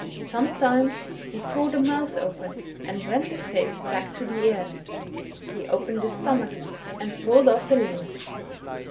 Sometimes he tore the mouth open and rent the face hack to the ears, he opened the stomachs, and pulled off the limhs.